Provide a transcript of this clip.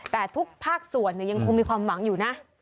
แต่ทุกภาคส่วนยังคงมีความหวังอยู่นะ